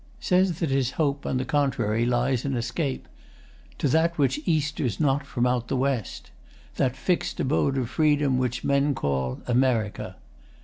Says that his hope, on the contrary, lies in escape To that which easters not from out the west, | That fix'd abode of freedom which men call | America!